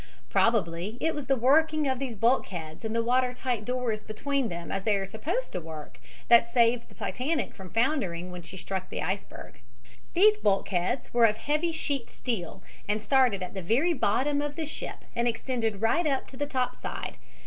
Probably it was the working of these bulkheads and the water tight doors between them as they are supposed to work that saved the Titanic from foundering when she struck the iceberg. These bulkheads were of heavy sheet steel and started at the very bottom of the ship and extended right up to the top side.